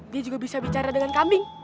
dia juga bisa bicara dengan kambing